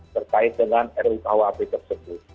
terkait dengan rukuhp tersebut